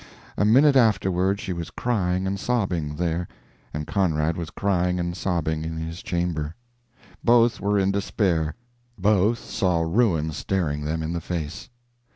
A minute afterward she was crying and sobbing there, and Conrad was crying and sobbing in his chamber. Both were in despair. Both saw ruin staring them in the face.